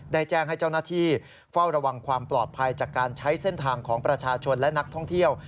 ได้แจ้งให้เจ้าหน้าที่เฝ้าระวังความปลอดภัยจากการใช้เส้นทางของประชาชนและนักท่องเที่ยว